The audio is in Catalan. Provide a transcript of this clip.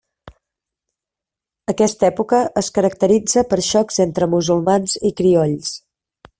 Aquesta època es caracteritza per xocs entre musulmans i criolls.